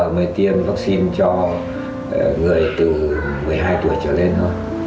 chúng ta mới tiêm vaccine cho người từ một mươi hai tuổi trở lên thôi